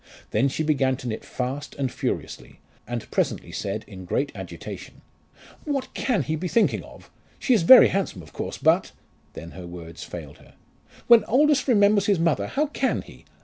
Then she began to knit fast and furiously, and presently said in great agitation, "What can he be thinking of? She is very handsome, of course, but " then her words failed her. "When Aldous remembers his mother, how can he?